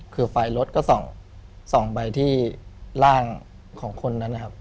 คือไฟรถก็ส่องไปที่ร่างของคนนั้นนะครับ